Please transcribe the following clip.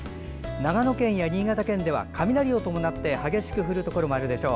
長野県や新潟県では雷を伴って激しく降るところもあるでしょう。